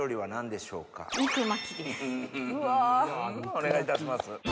お願いいたします。